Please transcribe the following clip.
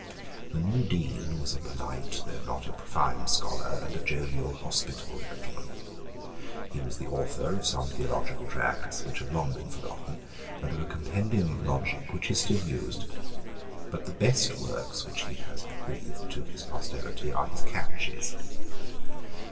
The new Dean was a polite, though not a profound, scholar, and a jovial, hospitable gentleman. He was the author of some theological tracts which have long been forgotten, and of a compendium of logic which is still used: but the best works which he has bequeathed to posterity are his catches.